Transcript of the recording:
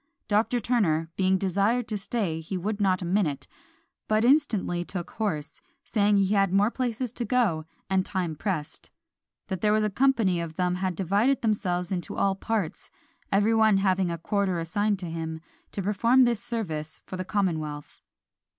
Dr. Turner "being desired to stay, he would not a minute, but instantly took horse, saying he had more places to go to, and time pressed; _that there was a company of them had divided themselves into all parts, every one having had a quarter assigned to him, to perform this service for the commonwealth_."